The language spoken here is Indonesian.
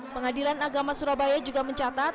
pengadilan agama surabaya juga mencatat